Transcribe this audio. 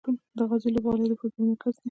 د غازي لوبغالی د فوټبال مرکز دی.